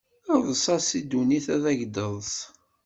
Eḍs-as i ddunit ad ak-d-teḍs!